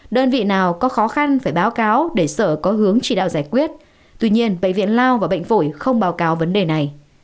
đơn vị nào có khó khăn phải báo cáo để sở có hướng chỉ đạo giải quyết tuy nhiên bệnh viện lao và bệnh phổi không báo cáo vấn đề này